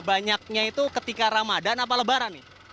banyaknya itu ketika ramadhan apa lebaran nih